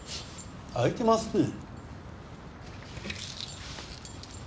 開いてますね。